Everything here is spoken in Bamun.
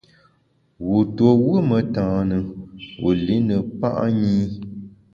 Wu tuo wù metane, wu li ne kpa’ nyi.